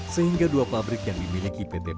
sehingga dua pabrik yang dimiliki pt pim satu